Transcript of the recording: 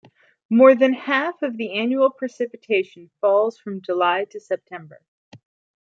More than half of the annual precipitation falls from July to September.